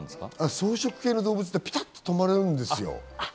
草食系の動物って結構ピタッと止まるんですよ。